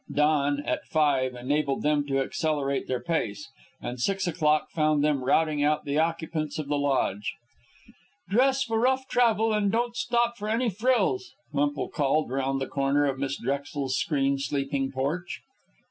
Dawn, at five, enabled them to accelerate their pace; and six o'clock found them routing out the occupants of the lodge. "Dress for rough travel, and don't stop for any frills," Wemple called around the corner of Miss Drexel's screened sleeping porch.